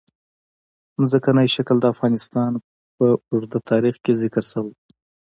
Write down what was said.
ځمکنی شکل د افغانستان په اوږده تاریخ کې ذکر شوې ده.